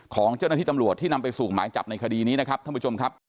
ของเจ้าหน้าที่ตำรวจที่นำไปสู่หมายจับในคดีนี้นะครับท่านผู้ชมครับ